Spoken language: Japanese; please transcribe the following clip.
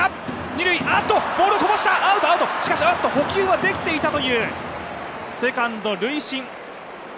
アウト、捕球はできていたというセカンド塁審。